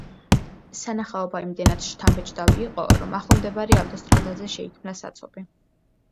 სანახაობა იმდენად შთამბეჭდავი იყო, რომ ახლომდებარე ავტოსტრადაზე შეიქმნა საცობი.